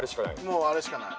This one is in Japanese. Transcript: もうあれしかない。